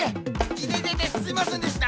いてててすいませんでした！